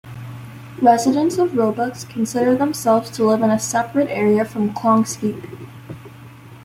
Residents of Roebuck consider themselves to live in a separate area from Clonskeagh.